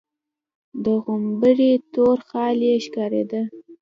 د غومبري تور خال يې ښکارېده.